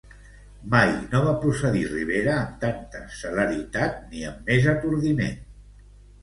Mai no va procedir Rivera amb tanta celeritat ni amb més atordiment.